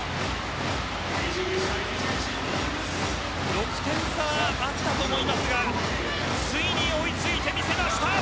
６点差はあったと思いますがついに追いついてみせました。